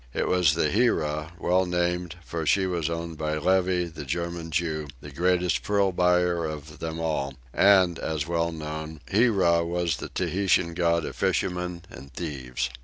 It was the Hira, well named, for she was owned by Levy, the German Jew, the greatest pearl buyer of them all, and, as was well known, Hira was the Tahitian god of fishermen and thieves.